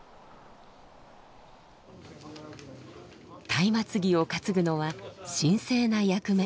松明木を担ぐのは神聖な役目。